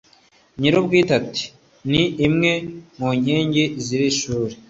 nyir'ubwite ati 'ni imwe mu nkingi z'iri shuri